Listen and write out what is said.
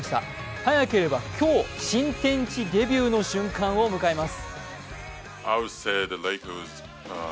早ければ今日、新天地デビューの瞬間を迎えます。